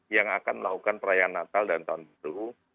yang akan melakukan perayaan natal dan tahun baru